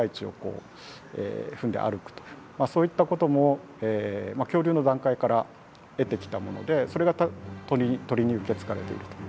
そういったことも恐竜の段階から得てきたものでそれが鳥に受け継がれていると。